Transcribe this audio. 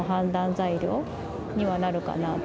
材料にはなるかなと。